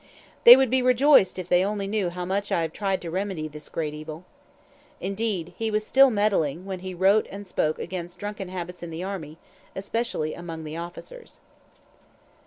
"They would be rejoiced if they only knew how much I have tried to remedy this great evil." Indeed, he was still "meddling" when he wrote and spoke against drunken habits in the army, especially among the officers.